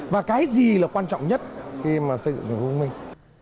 và cái gì là quan trọng nhất khi mà xây dựng tp thông minh